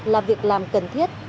là việc làm cần thiết